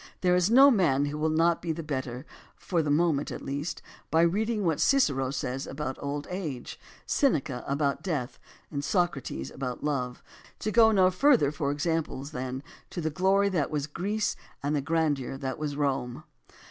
There is no man who will not be the better, for the moment, at least, by reading what Cicero says about old age, Seneca about death, and Socrates about love, to go no further for examples than to " The glory that was Greece, And the grandeur that was Rome."